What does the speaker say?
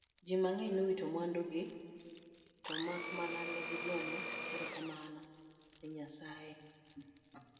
ji mang'eny nowito mwandugi to mak mana ni negigoyo erokamano ni Nyasaye